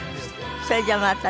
それじゃまたね。